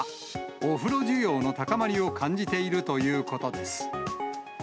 お風呂需要の高まりを感じているということです。